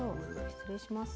失礼します。